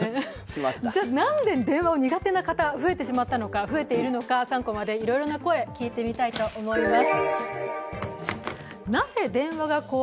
なんで電話が苦手な方増えているのか３コマでいろいろな声を聞いてみたいと思います。